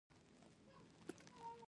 د عدالت مفکوره هم له باور جوړېږي.